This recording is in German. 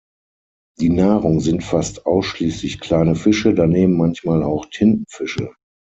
Die Nahrung sind fast ausschließlich kleine Fische, daneben manchmal auch Tintenfische.